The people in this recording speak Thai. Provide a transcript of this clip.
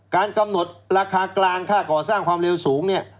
การกำหนดราคากลางค่าก่อสร้างความเร็วสูงเนี่ย